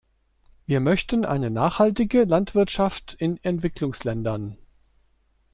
Wir möchten eine nachhaltige Landwirtschaft in Entwicklungsländern.